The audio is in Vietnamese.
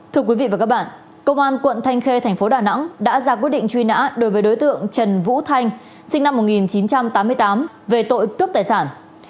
thưa quý vị và các bạn công an quận thanh khê thành phố đà nẵng đã ra quyết định truy nã đối với đối tượng trần vũ thanh sinh năm một nghìn chín trăm tám mươi tám về tội cướp tài sản